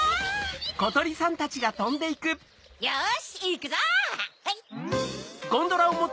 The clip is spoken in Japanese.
よしいくぞ！